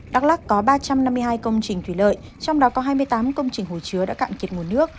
đắk lắc có ba trăm năm mươi hai công trình thủy lợi trong đó có hai mươi tám công trình hồ chứa đã cạn kiệt nguồn nước